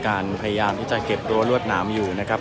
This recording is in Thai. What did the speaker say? การประตูกรมทหารที่สิบเอ็ดเป็นภาพสดขนาดนี้นะครับ